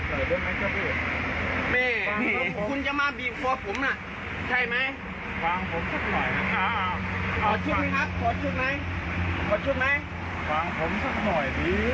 แม่จะมายิงของพี่ด้วยอ่ะมาไขของขาย